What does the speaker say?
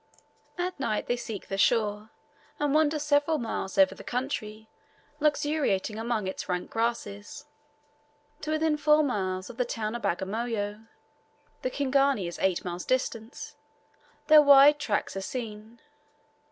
At night they seek the shore, and wander several miles over the country, luxuriating among its rank grasses. To within four miles of the town of Bagamoyo (the Kingani is eight miles distant) their wide tracks are seen.